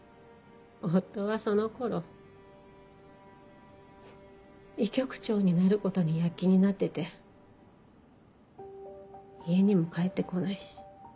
夫はその頃医局長になることに躍起になってて家にも帰ってこないし。